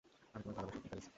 আমি তোমায় ভালোবাসি, ইকারিস।